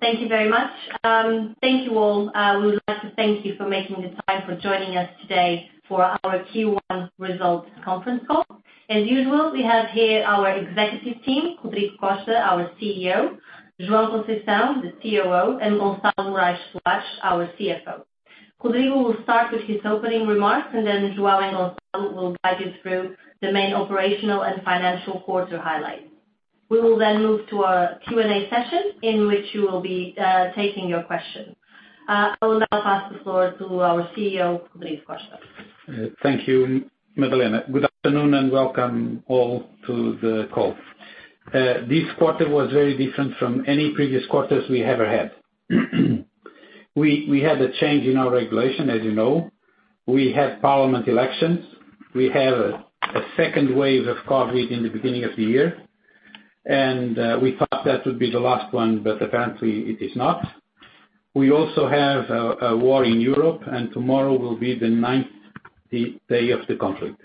Thank you very much. Thank you all. I would like to thank you for making the time for joining us today for our Q1 results conference call. As usual, we have here our executive team, Rodrigo Costa, our CEO, João Conceição, the COO, and Gonçalo Morais Soares, our CFO. Rodrigo will start with his opening remarks, and then João and Gonçalo will guide you through the main operational and financial quarter highlights. We will then move to our Q&A session, in which we will be taking your question. I will now pass the floor to our CEO, Rodrigo Costa. Thank you, Madalena. Good afternoon, and welcome all to the call. This quarter was very different from any previous quarters we ever had. We had a change in our regulation, as you know. We had parliament elections. We had a second wave of COVID in the beginning of the year, and we thought that would be the last one, but apparently it is not. We also have a war in Europe, and tomorrow will be the ninth day of the conflict.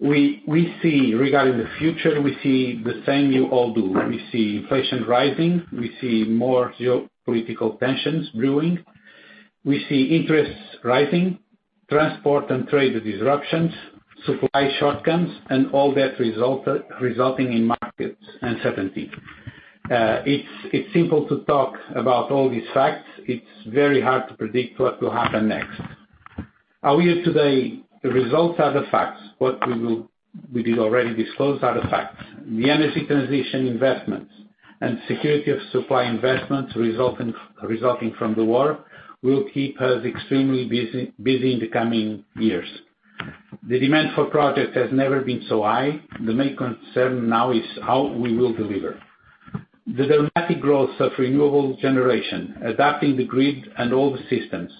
Regarding the future, we see the same you all do. We see inflation rising, we see more geopolitical tensions brewing, we see interest rates rising, transport and trade disruptions, supply shortcomings, and all that resulting in market uncertainty. It's simple to talk about all these facts. It's very hard to predict what will happen next. Are we here today? The results are the facts. What we did already disclose are the facts. The energy transition investments and security of supply investments resulting from the war will keep us extremely busy in the coming years. The demand for projects has never been so high. The main concern now is how we will deliver. The dramatic growth of renewable generation, adapting the grid and all the systems,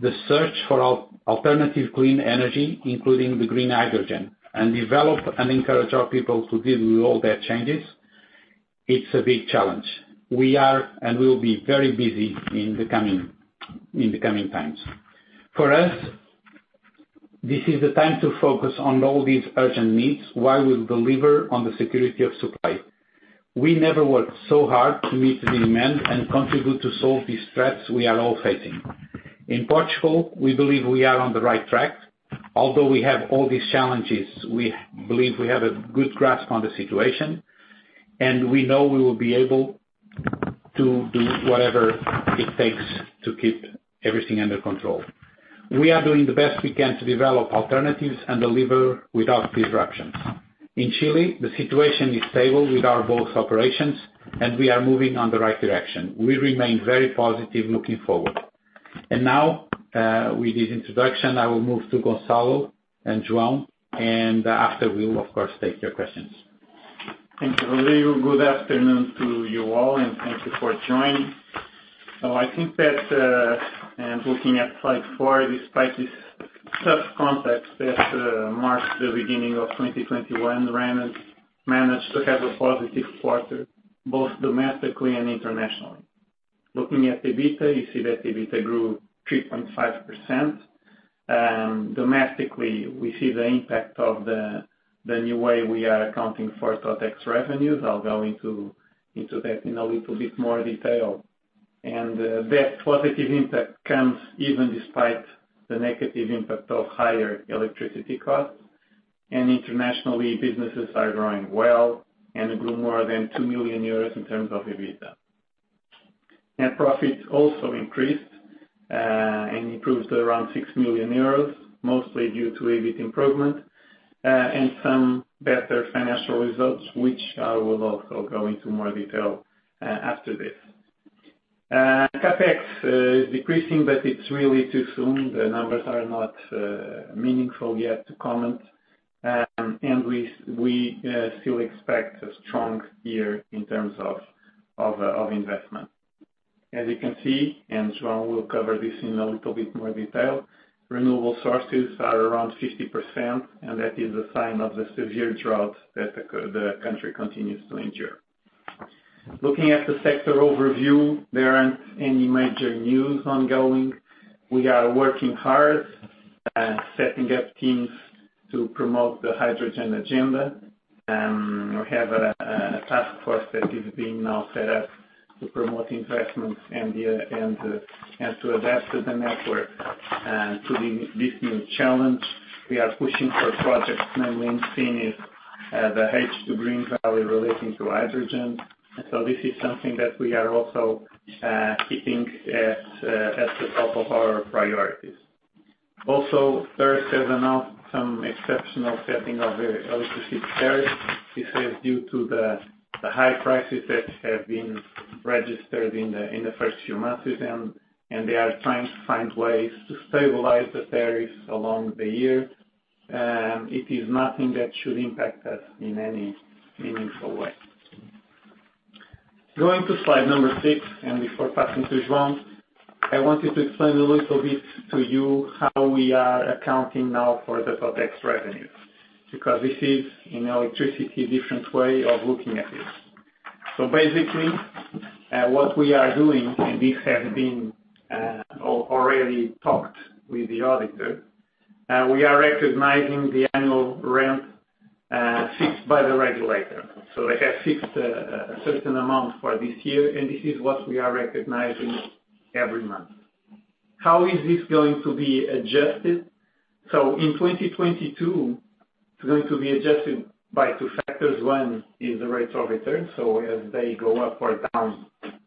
the search for alternative clean energy, including the green hydrogen, and develop and encourage our people to deal with all that changes, it's a big challenge. We are and we will be very busy in the coming times. For us, this is the time to focus on all these urgent needs while we deliver on the security of supply. We never worked so hard to meet the demand and contribute to solve these threats we are all facing. In Portugal, we believe we are on the right track. Although we have all these challenges, we believe we have a good grasp on the situation, and we know we will be able to do whatever it takes to keep everything under control. We are doing the best we can to develop alternatives and deliver without disruptions. In Chile, the situation is stable with our both operations, and we are moving on the right direction. We remain very positive looking forward. Now, with this introduction, I will move to Gonçalo and João, and after we will of course take your questions. Thank you, Rodrigo. Good afternoon to you all, and thank you for joining. I think that looking at slide four, despite this tough context that marks the beginning of 2021, we managed to have a positive quarter, both domestically and internationally. Looking at EBITDA, you see that EBITDA grew 3.5%. Domestically, we see the impact of the new way we are accounting for TOTEX revenues. I'll go into that in a little bit more detail. That positive impact comes even despite the negative impact of higher electricity costs. Internationally, businesses are growing well and grew more than 2 million euros in terms of EBITDA. Net profits also increased and improved to around 6 million euros, mostly due to EBIT improvement and some better financial results, which I will also go into more detail after this. CapEx is decreasing, but it's really too soon. The numbers are not meaningful yet to comment. We still expect a strong year in terms of investment. As you can see, and João will cover this in a little bit more detail, renewable sources are around 50%, and that is a sign of the severe drought that the country continues to endure. Looking at the sector overview, there aren't any major news ongoing. We are working hard, setting up teams to promote the hydrogen agenda. We have a task force that is being now set up to promote investments and to adapt to the network to this new challenge. We are pushing for projects, mainly in Sines, the H2 Green Valley relating to hydrogen. This is something that we are also keeping at the top of our priorities. ERSE has announced some exceptional setting of the electricity tariffs. This is due to the high prices that have been registered in the first few months with them, and they are trying to find ways to stabilize the tariffs along the year. It is nothing that should impact us in any meaningful way. Going to slide number six, and before passing to João, I wanted to explain a little bit to you how we are accounting now for the TOTEX revenues, because this is an entirely different way of looking at it. Basically, what we are doing, and this has been already talked with the auditor, we are recognizing the annual rent fixed by the regulator. They have fixed a certain amount for this year, and this is what we are recognizing every month. How is this going to be adjusted? In 2022, it's going to be adjusted by two factors. One is the rates of return. As they go up or down,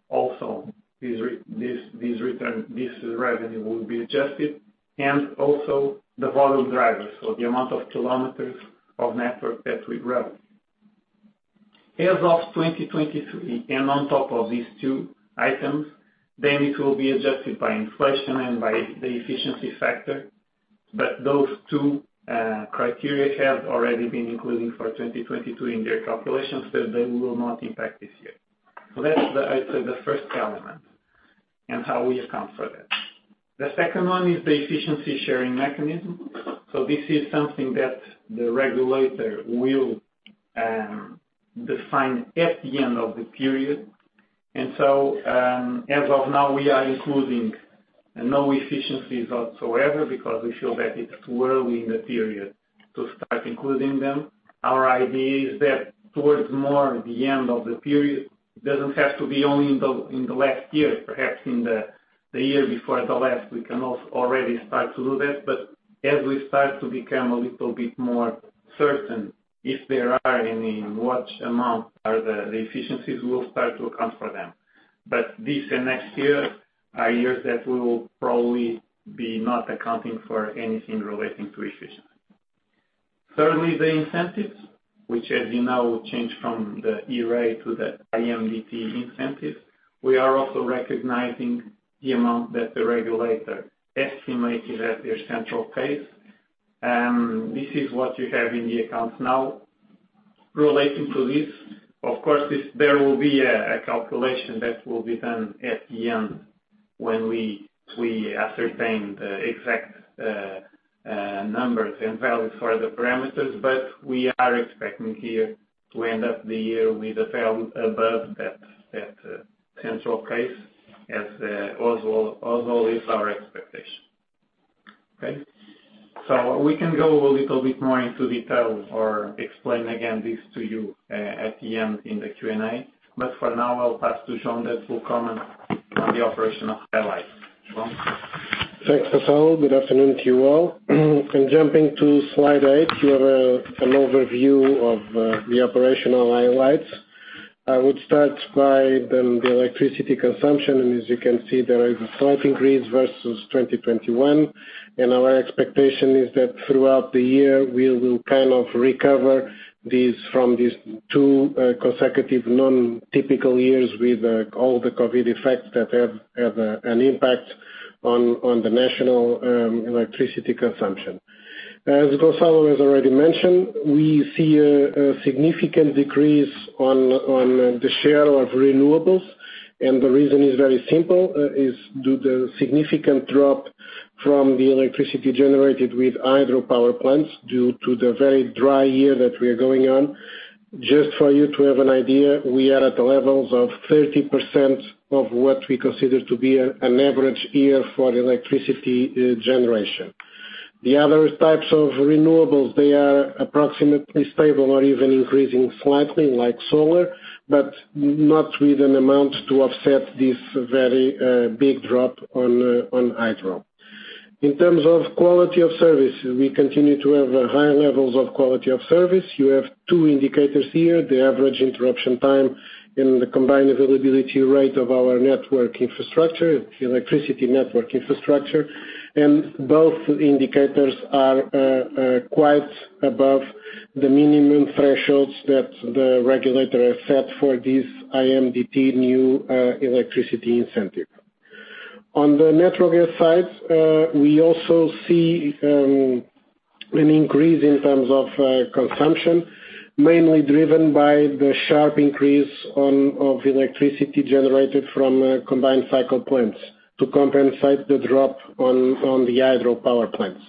also this revenue will be adjusted and also the volume drivers. The amount of kilometers of network that we grab. As of 2023, and on top of these two items, then it will be adjusted by inflation and by the efficiency factor. Those two criteria have already been included for 2022 in their calculations, so they will not impact this year. That's the, I'd say, the first element and how we account for that. The second one is the efficiency sharing mechanism. This is something that the regulator will define at the end of the period. As of now, we are including no efficiencies whatsoever because we feel that it's too early in the period to start including them. Our idea is that towards the end of the period, it doesn't have to be only in the last year, perhaps in the year before the last, we can already start to do that. As we start to become a little bit more certain if there are any, in what amount are the efficiencies, we'll start to account for them. This and next year are years that we will probably be not accounting for anything relating to efficiency. Thirdly, the incentives, which as you know, changed from the ERSE to the IMDT incentive. We are also recognizing the amount that the regulator estimated at their central case. This is what you have in the accounts now. Relating to this, of course, there will be a calculation that will be done at the end when we ascertain the exact numbers and values for the parameters. We are expecting here to end of the year with a figure above that central case, as also is our expectation. Okay. We can go a little bit more into detail or explain again this to you, at the end in the Q&A. For now I'll pass to João that will comment on the operational highlights. João? Thanks, Gonçalo. Good afternoon to you all. Jumping to slide eight, you have an overview of the operational highlights. I would start by then the electricity consumption. As you can see, there is a slight increase versus 2021. Our expectation is that throughout the year we will kind of recover these from these two consecutive non-typical years with all the COVID effects that have an impact on the national electricity consumption. As Gonçalo has already mentioned, we see a significant decrease on the share of renewables, and the reason is very simple, is due the significant drop from the electricity generated with hydropower plants due to the very dry year that we are going on. Just for you to have an idea, we are at the levels of 30% of what we consider to be an average year for electricity generation. The other types of renewables, they are approximately stable or even increasing slightly like solar, but not with an amount to offset this very big drop on hydro. In terms of quality of service, we continue to have a high levels of quality of service. You have two indicators here, the average interruption time and the combined availability rate of our network infrastructure, electricity network infrastructure. Both indicators are quite above the minimum thresholds that the regulator has set for this IMDT new electricity incentive. On the natural gas side, we also see an increase in terms of consumption, mainly driven by the sharp increase in electricity generated from combined cycle plants to compensate the drop in the hydropower plants.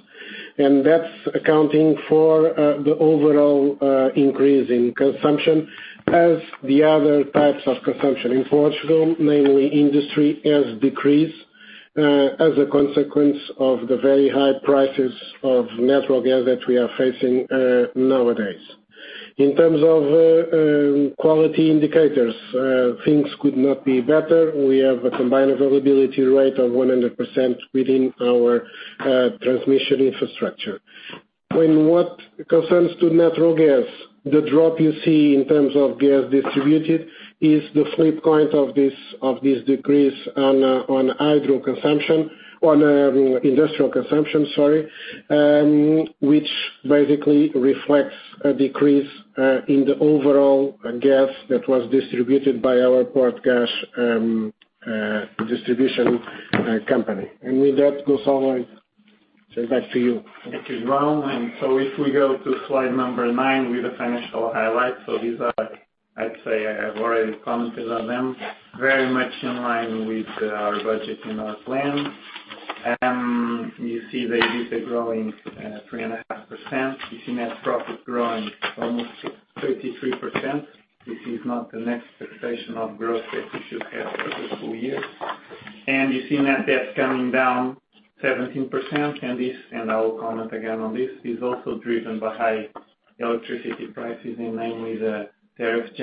That's accounting for the overall increase in consumption as the other types of consumption in Portugal, mainly industry, has decreased as a consequence of the very high prices of natural gas that we are facing nowadays. In terms of quality indicators, things could not be better. We have a combined availability rate of 100% within our transmission infrastructure. When it comes to natural gas, the drop you see in terms of gas distributed is the flip side of this decrease in industrial consumption, sorry. which basically reflects a decrease in the overall gas that was distributed by our Portgás distribution company. With that, Gonçalo, send back to you. Thank you, João. If we go to slide number nine with the financial highlights. These are, I'd say, I have already commented on them, very much in line with our budget and our plan. You see the EBITDA growing 3.5%. You see net profit growing almost 33%, which is not the net expectation of growth that we should have for the full year. You see net debt coming down 17%, and this, I will comment again on this, is also driven by high electricity prices, and mainly the tariff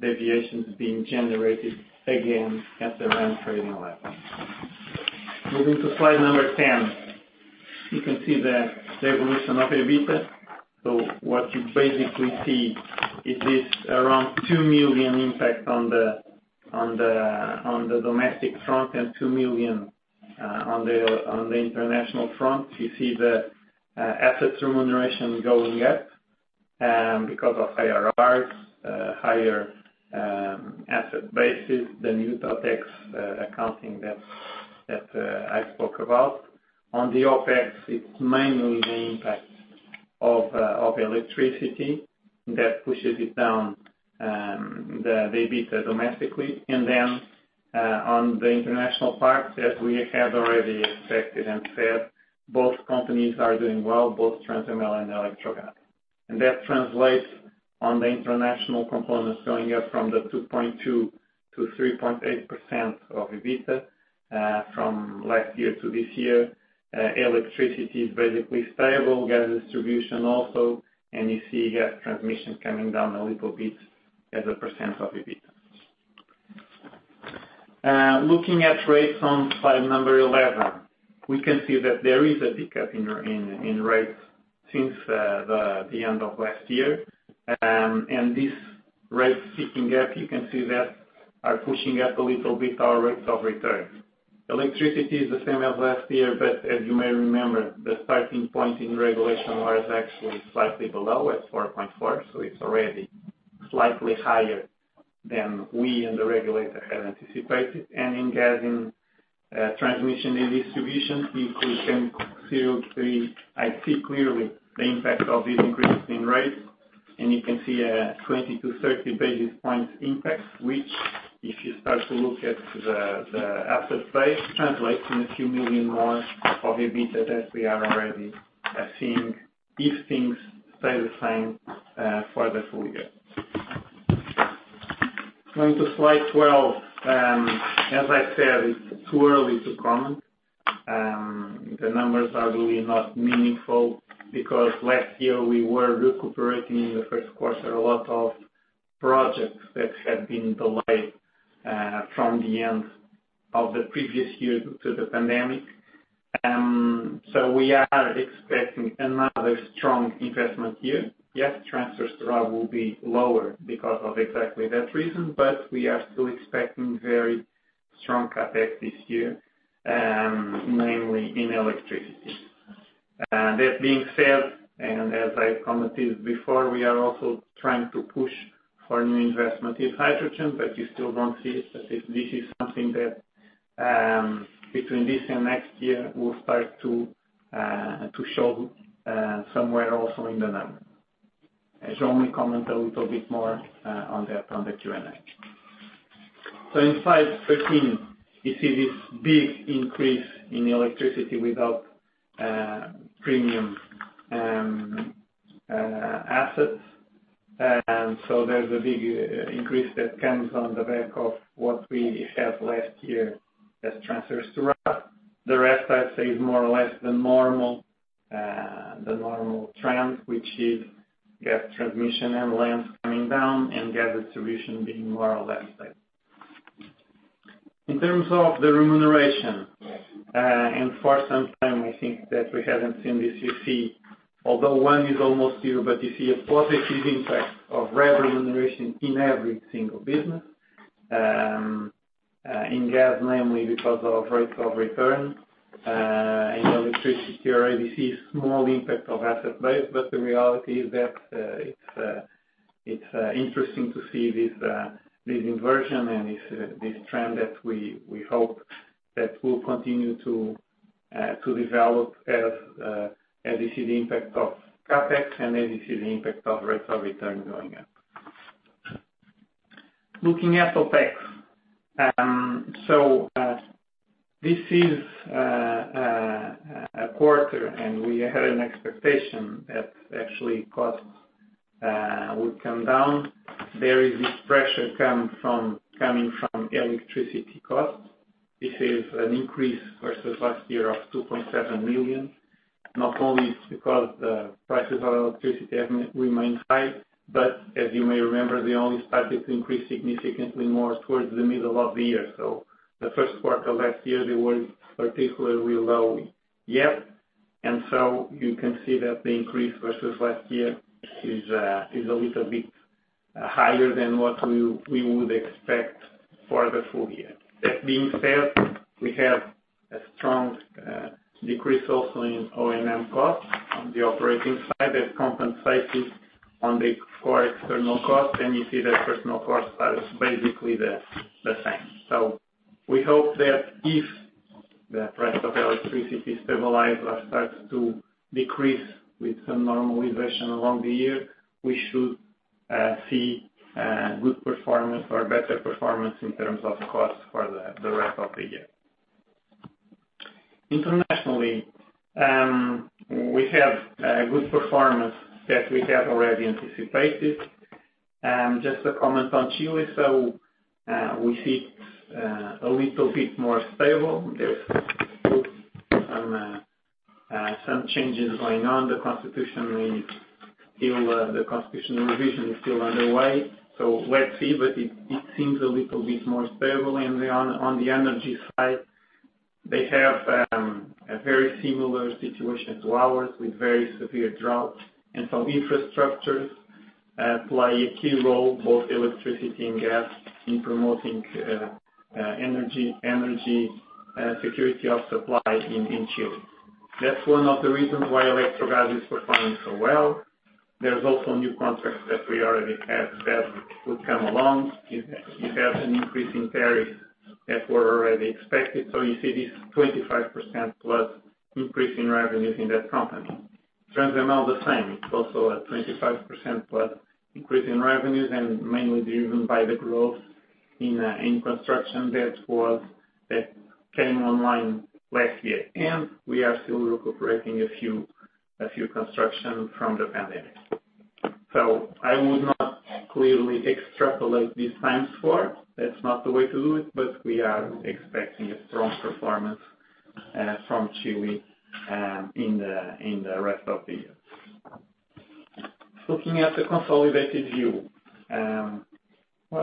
deviations being generated again at the REN Trading level. Moving to slide number 10. You can see the evolution of EBITDA. What you basically see is this around 2 million impact on the domestic front and 2 million on the international front. You see the assets remuneration going up because of higher rates, higher asset bases, the new TOTEX accounting that I spoke about. On the OpEx, it's mainly the impact of electricity that pushes it down, the EBITDA domestically. On the international part, as we have already expected and said, both companies are doing well, both Transemel and Electrogas. That translates on the international components going up from the 2.2%-3.8% of EBITDA from last year to this year. Electricity is basically stable, gas distribution also, and you see gas transmission coming down a little bit as a % of EBITDA. Looking at rates on slide number 11, we can see that there is a pickup in REN rates since the end of last year. This rate ticking up, you can see that's pushing up a little bit our rates of return. Electricity is the same as last year, but as you may remember, the starting point in regulation was actually slightly below at 4.4, so it's already slightly higher than we and the regulator had anticipated. In gas transmission and distribution, I see clearly the impact of this increase in rates, and you can see a 20-30 basis point impact, which if you start to look at the asset base, translates in a few million more of EBITDA that we have already seen if things stay the same for the full year. Going to slide 12, as I said, it's too early to comment. The numbers are really not meaningful because last year we were recuperating in the first quarter a lot of projects that had been delayed from the end of the previous year due to the pandemic. We are expecting another strong investment year. Yes, transfers to RAB will be lower because of exactly that reason, but we are still expecting very strong CapEx this year, mainly in electricity. That being said, as I commented before, we are also trying to push for new investment in hydrogen, but you still won't see it. This is something that between this and next year will start to show somewhere also in the number. As João will comment a little bit more on the Q&A. In slide 13, you see this big increase in electricity without premium assets. There's a big increase that comes on the back of what we had last year as transfers to RAB. The rest, I'd say, is more or less the normal trend, which is gas transmission and LNGs coming down and gas distribution being more or less stable. In terms of the remuneration and for some time I think that we haven't seen this, you see although one is almost zero, but you see a positive impact of RAB remuneration in every single business. In gas, mainly because of rates of return. In electricity you already see small impact of asset base, but the reality is that it's interesting to see this inversion and this trend that we hope will continue to develop as you see the impact of CapEx and as you see the impact of rates of return going up. Looking at OpEx, this is a quarter and we had an expectation that actually costs would come down. There is this pressure coming from electricity costs. This is an increase versus last year of 2.7 million. Not only is it because the prices of electricity have remained high, but as you may remember, they only started to increase significantly more towards the middle of the year. The first quarter last year, they were particularly low. Yep. You can see that the increase versus last year is a little bit higher than what we would expect for the full year. That being said, we have a strong decrease also in O&M costs on the operating side that compensates on the core external costs. You see that personal costs are basically the same. We hope that if the price of electricity stabilize or starts to decrease with some normalization along the year, we should see good performance or better performance in terms of costs for the rest of the year. Internationally, we have good performance that we have already anticipated. Just a comment on Chile. We see it's a little bit more stable. There's some changes going on. The constitutional revision is still underway. Let's see, but it seems a little bit more stable. Then on the energy side, they have a very similar situation to ours, with very severe drought. Some infrastructures play a key role, both electricity and gas, in promoting energy security of supply in Chile. That's one of the reasons why Electrogas is performing so well. There's also new contracts that we already have that will come along. You have an increase in tariffs that were already expected, so you see this 25%+ increase in revenues in that company. Transemel the same, also a 25%+ increase in revenues, and mainly driven by the growth in construction that came online last year. We are still recuperating a few construction from the pandemic. I would not clearly extrapolate these times forward. That's not the way to do it, but we are expecting a strong performance from Chile in the rest of the year. Looking at the consolidated view, can I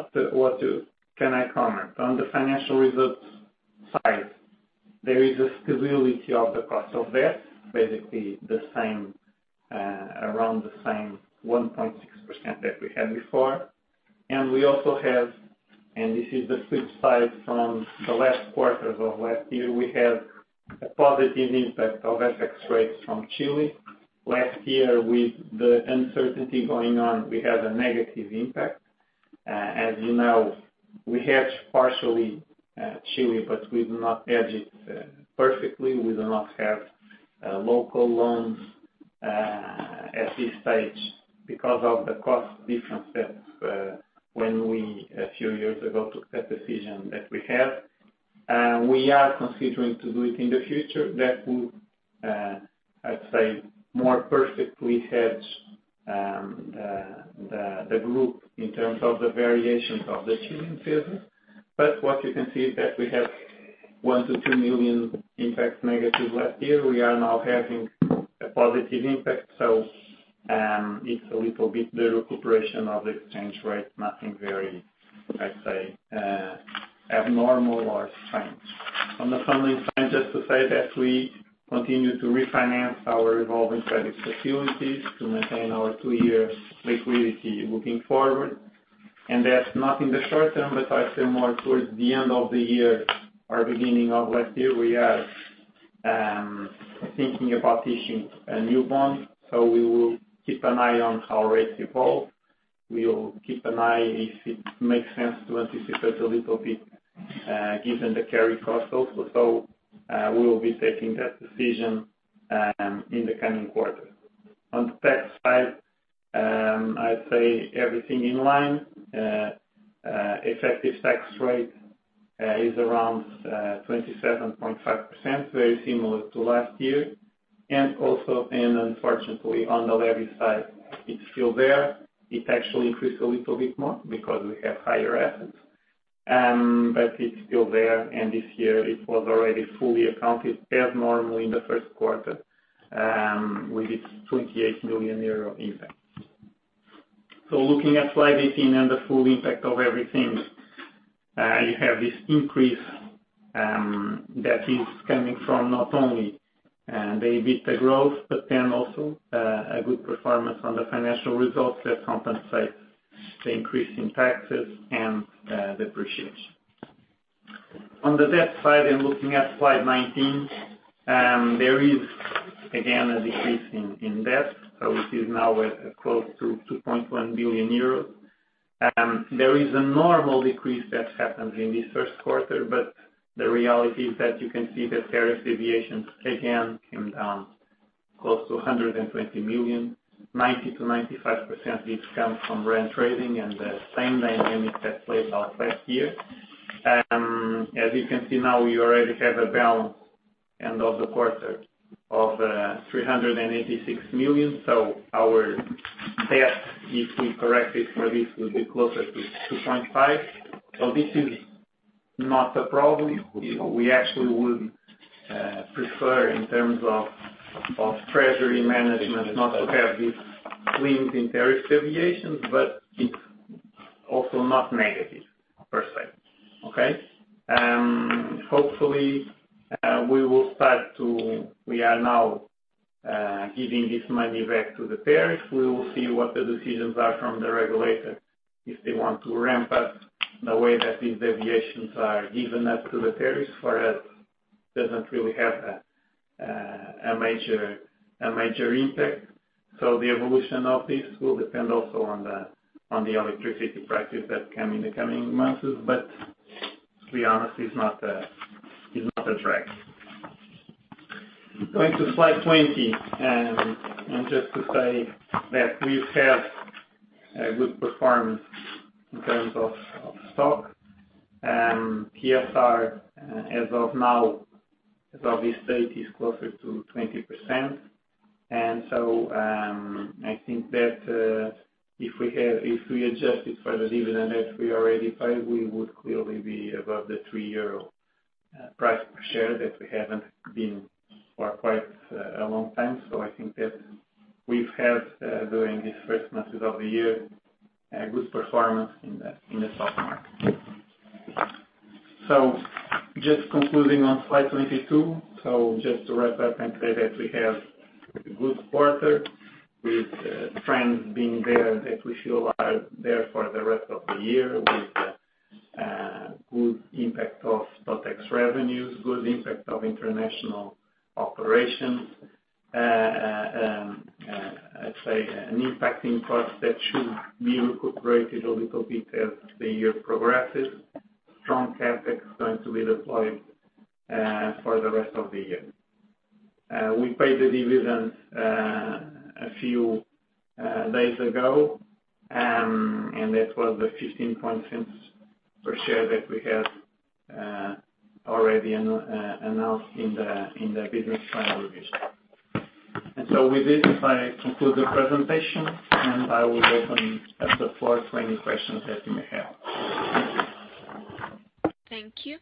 comment? On the financial results side, there is a stability of the cost of debt, basically the same, around the same 1.6% that we had before. We also have, and this is the flip side from the last quarter of last year, we have a positive impact of FX rates from Chile. Last year, with the uncertainty going on, we had a negative impact. As you know, we hedge partially, Chile, but we do not hedge it, perfectly. We do not have, local loans, at this stage because of the cost difference that, when we, a few years ago, took that decision that we have. We are considering to do it in the future. That would, I'd say, more perfectly hedge, the group in terms of the variations of the Chilean business. What you can see is that we have 1 million-2 million negative impact last year. We are now having a positive impact. It's a little bit the recuperation of the exchange rate, nothing very, I'd say, abnormal or strange. On the funding side, just to say that we continue to refinance our revolving credit facilities to maintain our two-year liquidity looking forward. That's not in the short term, but I'd say more towards the end of the year or beginning of last year, we are thinking about issuing a new bond. We will keep an eye on how rates evolve. We will keep an eye if it makes sense to anticipate a little bit, given the carry cost also. We will be taking that decision in the coming quarter. On the tax side, I'd say everything in line. Effective tax rate is around 27.5%, very similar to last year. On the levy side, it's still there. It actually increased a little bit more because we have higher assets. It's still there, and this year it was already fully accounted as normal in the first quarter, with its 28 million euro impact. Looking at slide 18 and the full impact of everything, you have this increase that is coming from not only the EBITDA growth, but then also a good performance on the financial results that compensate the increase in taxes and depreciation. On the debt side, looking at slide 19, there is again a decrease in debt. We see it now at close to 2.1 billion euros. There is a normal decrease that happens in this first quarter, but the reality is that you can see the tariff deviations again came down close to 120 million. 90%-95% of this comes from REN Trading and the same dynamic that played out last year. As you can see now, we already have a balance end of the quarter of 386 million. Our debt, if we correct it for this, will be closer to 2.5 billion. This is not a problem. We actually would prefer in terms of treasury management not to have these swings in tariff deviations, but it's also not negative per se, okay? We are now giving this money back to the tariffs. We will see what the decisions are from the regulator, if they want to ramp up the way that these deviations are given up to the tariffs. For us, doesn't really have a major impact. The evolution of this will depend also on the electricity prices that come in the coming months. To be honest, it's not a drag. Going to slide 20, and just to say that we've had a good performance in terms of stock. TSR as of now, as of this date, is closer to 20%. I think that if we adjust it for the dividend that we already paid, we would clearly be above the 3 euro price per share that we haven't been for quite a long time. I think that we've had during these first months of the year a good performance in the stock market. Just concluding on slide 22. Just to wrap up and say that we have a good quarter with trends being there that we feel are there for the rest of the year with the good impact of TOTEX revenues, good impact of international operations. I'd say an impacting cost that should be incorporated a little bit as the year progresses. Strong CapEx going to be deployed for the rest of the year. We paid the dividend a few days ago. That was the 0.15 per share that we had already announced in the business plan revision. With this, if I conclude the presentation, I will open up the floor to any questions that you may have. Thank you.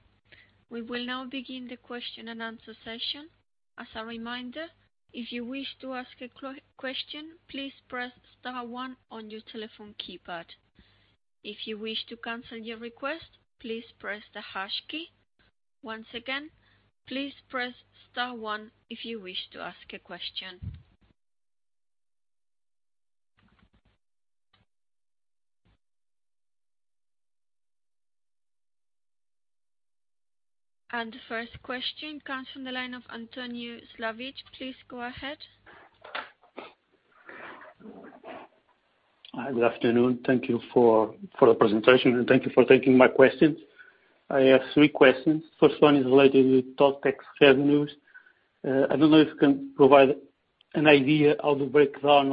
We will now begin the question and answer session. As a reminder, if you wish to ask a question, please press star one on your telephone keypad. If you wish to cancel your request, please press the hash key. Once again, please press star one if you wish to ask a question. The first question comes from the line of António Seladas. Please go ahead. Hi, good afternoon. Thank you for the presentation, and thank you for taking my questions. I have three questions. First one is related to TOTEX revenues. I don't know if you can provide an idea of the breakdown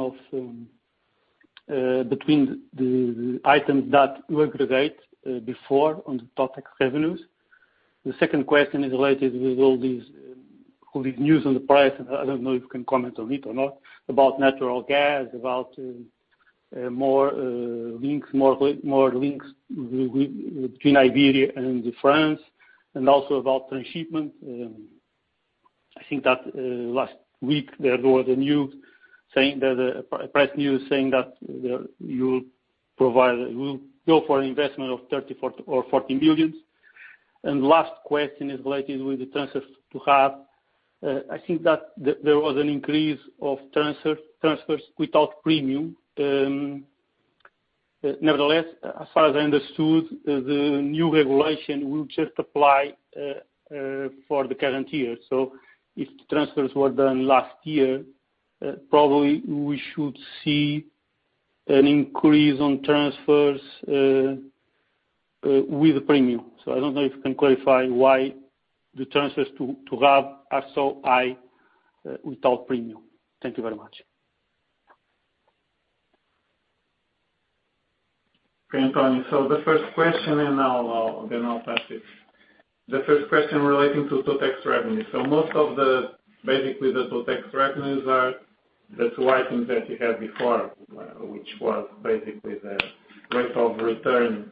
between the items that you aggregate before on the TOTEX revenues. The second question is related with all these news on the price. I don't know if you can comment on it or not, about natural gas, about more links between Iberia and France, and also about transshipment. I think that last week there was a news saying that you'll go for an investment of 30 billion, 40 billion, or 14 billion. Last question is related with the transfers to RAB. I think that there was an increase of transfers without premium. Nevertheless, as far as I understood, the new regulation will just apply for the current year. If the transfers were done last year, probably we should see an increase on transfers with premium. I don't know if you can clarify why the transfers to RAB are so high without premium. Thank you very much. Okay, António. The first question relating to TOTEX revenue, and I'll pass it. Most of the, basically the TOTEX revenues are the two items that you had before, which was basically the rate of return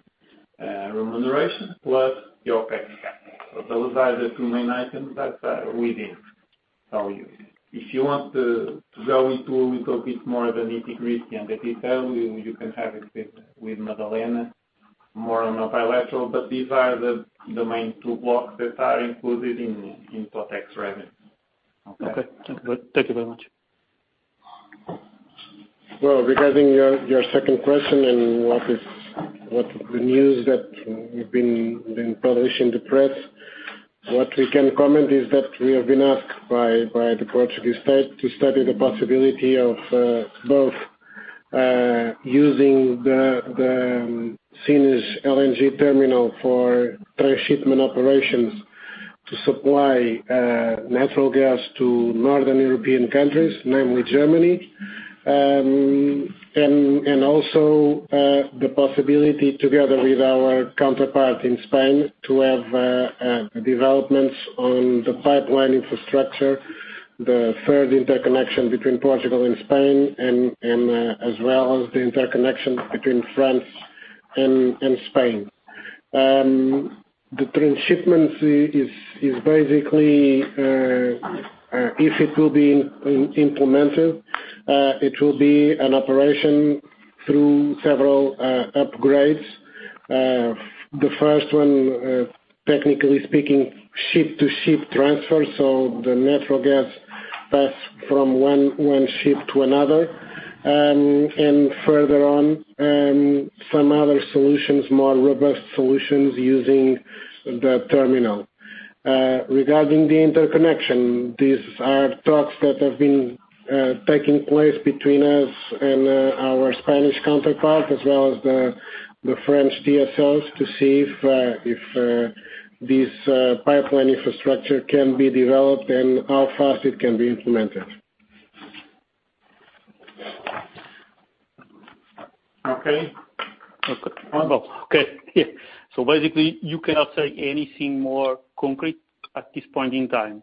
remuneration plus your CapEx. Those are the two main items that are within our TOTEX. If you want to go into a little bit more of the nitty-gritty and the detail, you can have it with Madalena more on a bilateral. These are the main two blocks that are included in TOTEX revenue. Okay. Thank you very much. Well, regarding your second question and what the news that have been published in the press, what we can comment is that we have been asked by the Portuguese state to study the possibility of both using the Sines LNG terminal for transshipment operations to supply natural gas to northern European countries, namely Germany. Also, the possibility together with our counterpart in Spain to have developments on the pipeline infrastructure, the third interconnection between Portugal and Spain as well as the interconnection between France and Spain. The transshipment is basically, if it will be implemented, it will be an operation through several upgrades. The first one, technically speaking, ship-to-ship transfer, so the natural gas pass from one ship to another. Further on, some other solutions, more robust solutions using the terminal. Regarding the interconnection, these are talks that have been taking place between us and our Spanish counterpart, as well as the French TSOs to see if this pipeline infrastructure can be developed and how fast it can be implemented. Okay. Okay. Basically you cannot say anything more concrete at this point in time.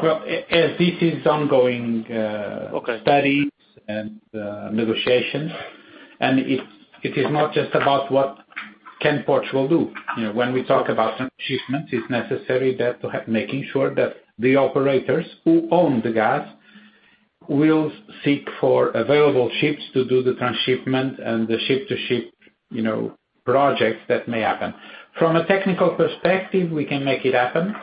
Well, this is ongoing. Okay. Studies and negotiations, and it is not just about what can Portugal do. You know, when we talk about transshipment, it's necessary that to have making sure that the operators who own the gas will seek for available ships to do the transshipment and the ship-to-ship, you know, projects that may happen. From a technical perspective, we can make it happen,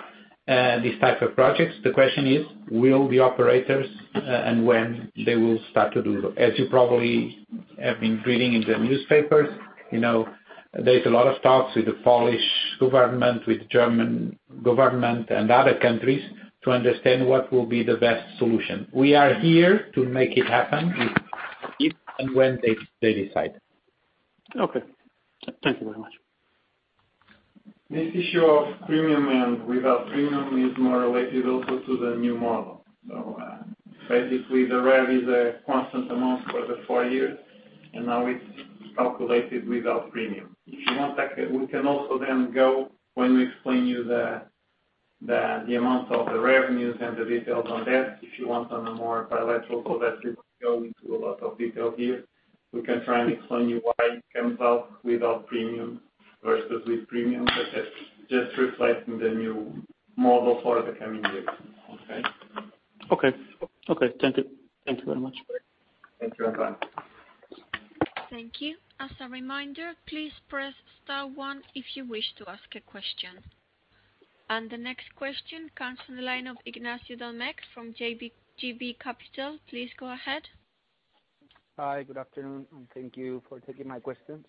these type of projects. The question is, will the operators and when they will start to do. As you probably have been reading in the newspapers, you know, there's a lot of talks with the Polish government, with German government and other countries to understand what will be the best solution. We are here to make it happen if and when they decide. Okay. Thank you very much. This issue of premium and without premium is more related also to the new model. Basically the rev is a constant amount for the four years, and now it's calculated without premium. If you want that, we can also then go when we explain to you the amount of the revenues and the details on that, if you want on a more bilateral, so that we go into a lot of detail here. We can try and explain to you why it comes out without premium versus with premium, but that's just reflecting the new model for the coming years. Okay? Okay. Thank you very much. Thank you, António. Thank you. As a reminder, please press star one if you wish to ask a question. The next question comes from the line of Ignacio Domenech from JB Capital. Please go ahead. Hi. Good afternoon, and thank you for taking my questions.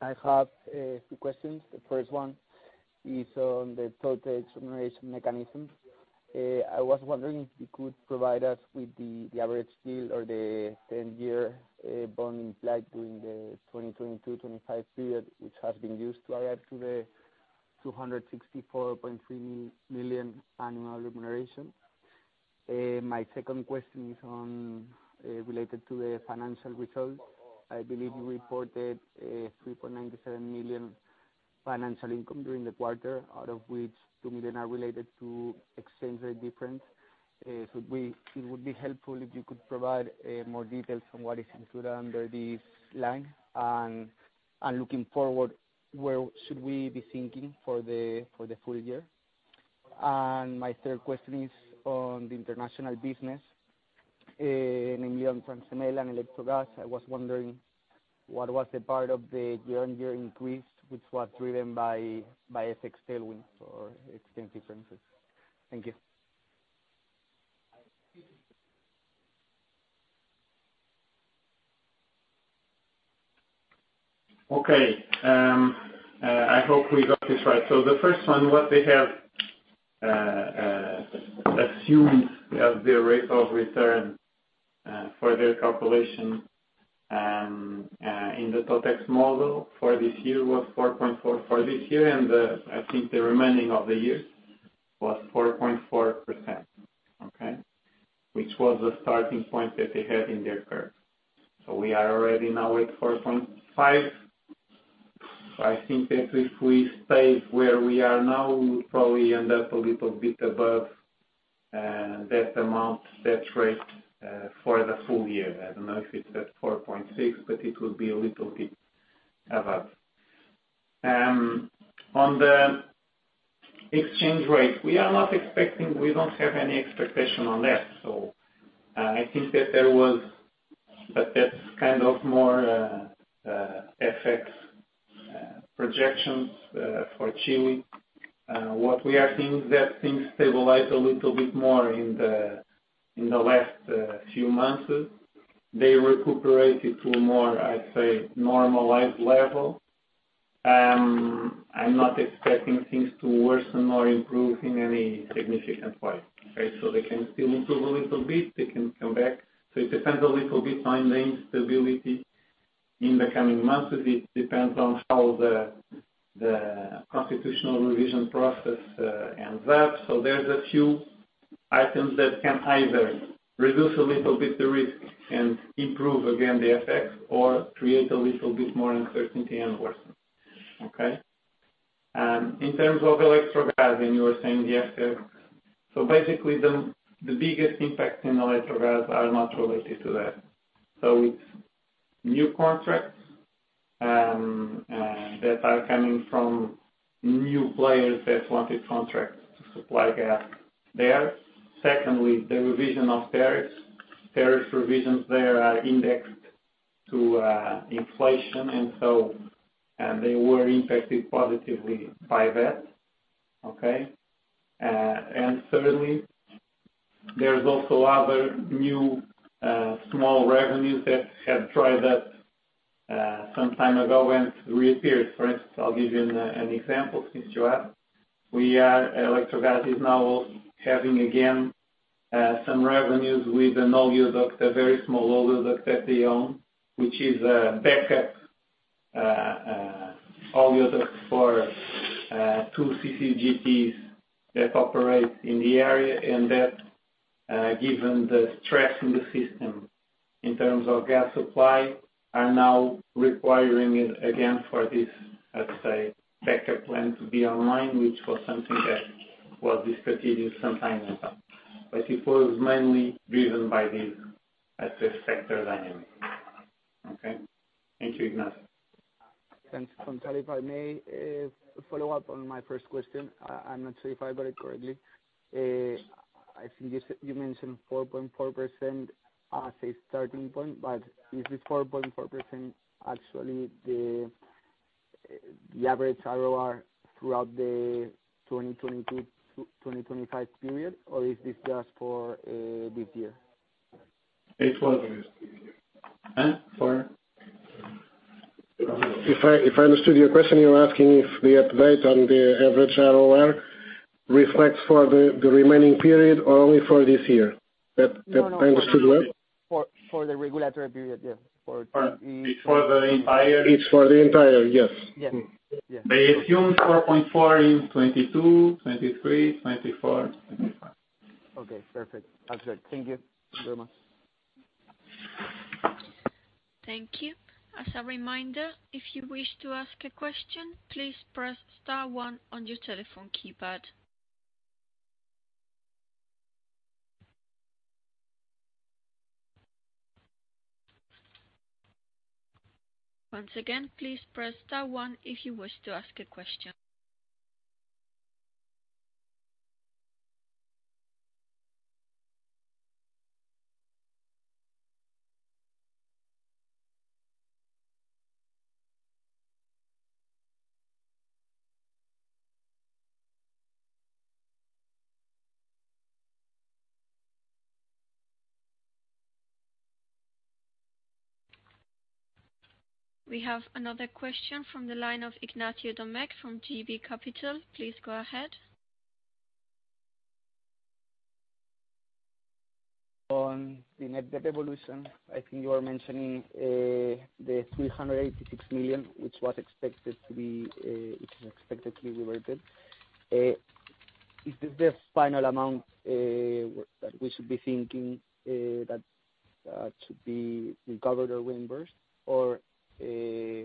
I have two questions. The first one is on the total generation mechanisms. I was wondering if you could provide us with the average yield or the 10-year bond yield during the 2020 to 2025 period, which has been used to arrive to the 264.3 million annual remuneration. My second question is related to the financial results. I believe you reported 3.97 million financial income during the quarter, out of which 2 million are related to exchange rate difference. It would be helpful if you could provide more details on what is included under this line and looking forward, where should we be thinking for the full year. My third question is on the international business, namely on Transemel and Electrogas. I was wondering what was the part of the year-on-year increase, which was driven by FX tailwind or exchange differences. Thank you. Okay. I hope we got this right. The first one, what they have assumed as their rate of return for their calculation in the TOTEX model for this year was 4.4 for this year and, I think, the remainder of the years was 4.4%. Okay. Which was the starting point that they had in their curve. We are already now at 4.5. I think that if we stay where we are now, we'll probably end up a little bit above that amount, that rate for the full year. I don't know if it's at 4.6, but it will be a little bit above. On the exchange rate, we don't have any expectation on that. I think that there was. That's kind of more FX projections for Chile. What we are seeing is that things stabilize a little bit more in the last few months. They recuperated to a more, I'd say, normalized level. I'm not expecting things to worsen or improve in any significant way. Okay. So they can still improve a little bit. They can come back. So it depends a little bit on the instability in the coming months. It depends on how the constitutional revision process ends up. So there's a few items that can either reduce a little bit the risk and improve again the FX or create a little bit more uncertainty and worsen. Okay. In terms of Electrogas, and you were saying the FX. So basically, the biggest impact in Electrogas are not related to that. It's new contracts that are coming from new players that wanted contracts to supply gas there. Secondly, the revision of tariffs. Tariff revisions there are indexed to inflation, and they were impacted positively by that. And thirdly, there's also other new small revenues that have tried that some time ago and reappeared. For instance, I'll give you an example since you asked. Electrogas is now having again some revenues with an old dock, a very small old dock that they own, which is a backup for all the other two CCGTs that operate in the area, and that, given the stress in the system in terms of gas supply, are now requiring it again for this, let's say, backup plan to be online, which was something that was discontinued some time ago. It was mainly driven by this, let's say, sector dynamic. Okay. Thank you, Ignacio. Thanks. Gonçalo, if I may, follow up on my first question. I'm not sure if I got it correctly. I think you mentioned 4.4% as a starting point, but is the 4.4% actually the average ROR throughout the 2022 to 2025 period, or is this just for this year? It's for- Huh? For- If I understood your question, you're asking if the update on the average ROR reflects for the remaining period or only for this year. That I understood well? No, for the regulatory period, yes. It's for the entire. It's for the entire, yes. Yes. Yes. They assume 4.4% in 2022, 2023, 2024, 2025. Okay, perfect. That's it. Thank you very much. Thank you. As a reminder, if you wish to ask a question, please press star one on your telephone keypad. Once again, please press star one if you wish to ask a question. We have another question from the line of Ignacio Domenech from JB Capital. Please go ahead. On the net debt evolution, I think you are mentioning the 386 million, which is expected to be reverted. Is this the final amount that we should be thinking that should be recovered or reimbursed, or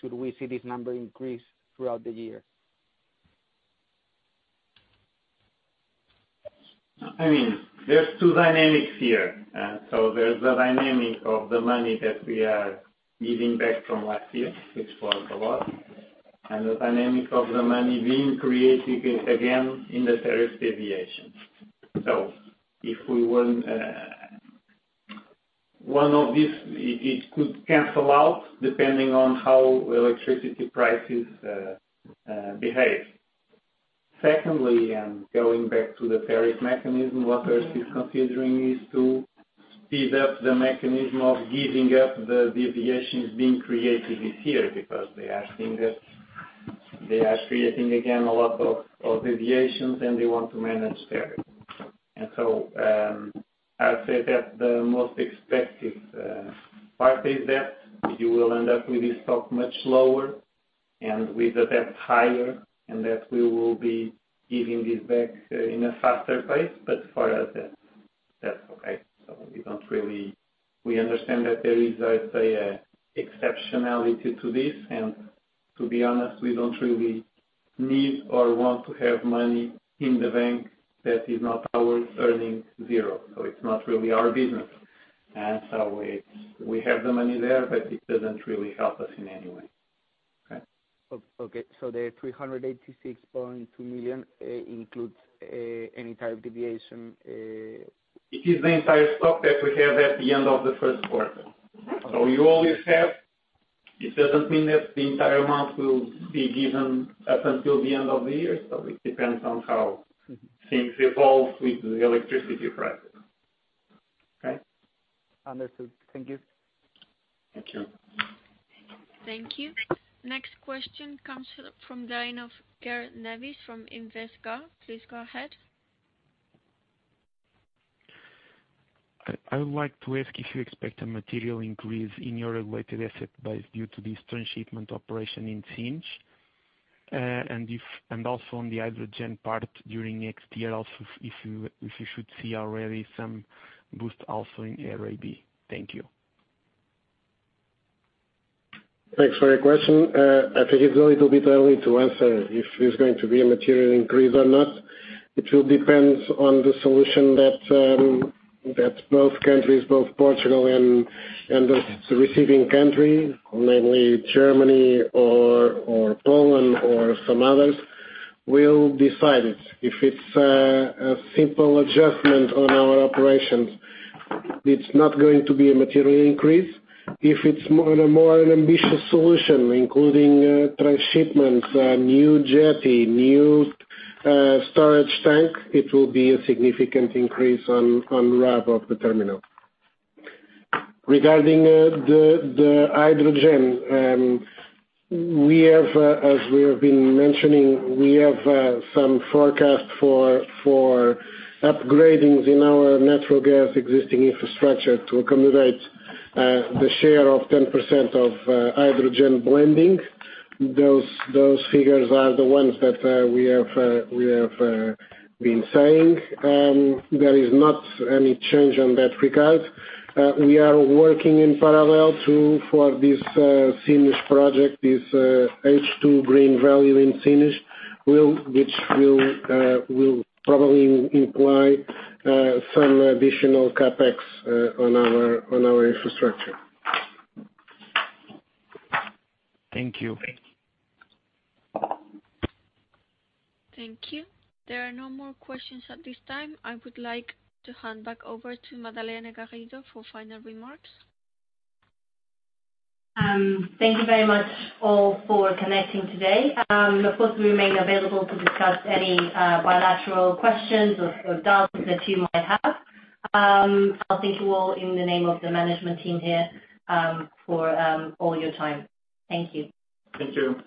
should we see this number increase throughout the year? I mean, there's two dynamics here. There's the dynamic of the money that we are giving back from last year, which was a lot, and the dynamic of the money being created again in the tariff deviations. If we wouldn't, it could cancel out depending on how electricity prices behave. Secondly, and going back to the tariff mechanism, what ERSE is considering is to speed up the mechanism of giving up the deviations being created this year because they are seeing that they are creating again a lot of deviations, and they want to manage tariff. I'd say that the most expected part is that you will end up with this stock much lower and with the debt higher, and that we will be giving this back in a faster pace. For us, that's okay. We understand that there is a, say, an exceptionality to this, and to be honest, we don't really need or want to have money in the bank that is not earning zero. It's not really our business. We have the money there, but it doesn't really help us in any way. Okay. Okay. The 386.2 million includes any tariff deviation. It is the entire stock that we have at the end of the first quarter. You always have. It doesn't mean that the entire amount will be given up until the end of the year. It depends on how things evolve with the electricity prices. Okay? Understood. Thank you. Thank you. Thank you. Next question comes from the line of Gerrit Navis from Investa. Please go ahead. I would like to ask if you expect a material increase in your regulated asset base due to this transshipment operation in Sines. Also on the hydrogen part during next year, also if you should see already some boost also in RAB. Thank you. Thanks for your question. I think it's a little bit early to answer if it's going to be a material increase or not. It will depends on the solution that both countries, Portugal and the receiving country, namely Germany or Poland or some others, will decide it. If it's a simple adjustment on our operations, it's not going to be a material increase. If it's a more ambitious solution, including transshipments, a new jetty, new storage tank, it will be a significant increase on RAB of the terminal. Regarding the hydrogen, we have, as we have been mentioning, some forecast for upgrades in our natural gas existing infrastructure to accommodate the share of 10% of hydrogen blending. Those figures are the ones that we have been saying. There is not any change on that regard. We are working in parallel for this Sines project, this H2 Green Valley in Sines, which will probably imply some additional CapEx on our infrastructure. Thank you. Thank you. There are no more questions at this time. I would like to hand back over to Madalena Garrido for final remarks. Thank you very much all for connecting today. Of course, we remain available to discuss any bilateral questions or doubts that you might have. Thank you all in the name of the management team here for all your time. Thank you. Thank you.